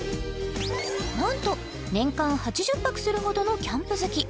なんと年間８０泊するほどのキャンプ好き！